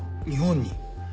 日本に？